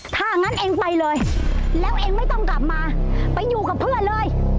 ถ้างั้นเองไปเลยแล้วเองไม่ต้องกลับมาไปอยู่กับเพื่อนเลย